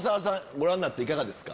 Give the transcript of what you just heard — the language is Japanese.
ご覧になっていかがですか？